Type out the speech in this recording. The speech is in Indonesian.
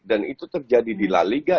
dan itu terjadi di la liga